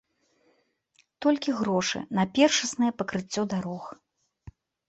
Толькі грошы на першаснае пакрыццё дарог.